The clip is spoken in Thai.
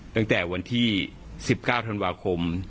ตั้งแต่วันที่๑๙ธันวาคม